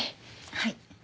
はい。